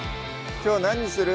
きょう何にする？